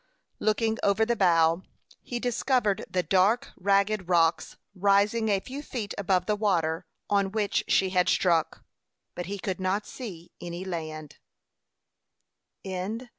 Looking over the bow, he discovered the dark, ragged rocks, rising a few feet above the water, on which she had struck, but he could not see any land.